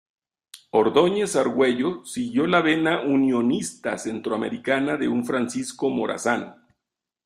Ordóñez Argüello siguió la vena unionista centroamericana de un Francisco Morazán.